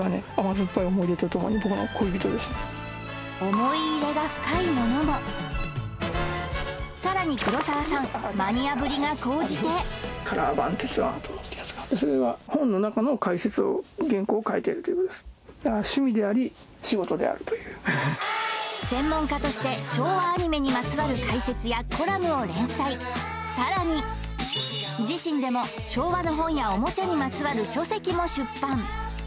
思い入れが深いものもさらに黒沢さん「カラー版鉄腕アトム」ってやつがそれは専門家として昭和アニメにまつわる解説やコラムを連載さらに自身でも昭和の本やおもちゃにまつわる書籍も出版